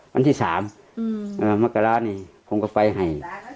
วันที่สามมะกะลาเนี่ยผมก็ไปให้